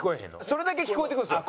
それだけ聞こえてくるんですよ。